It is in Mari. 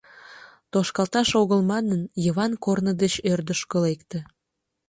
Тошкалташ огыл манын, Йыван корно деч ӧрдыжкӧ лекте.